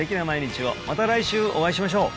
また来週お会いしましょう